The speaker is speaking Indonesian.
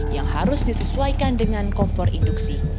yang harus disesuaikan dengan kompor induksi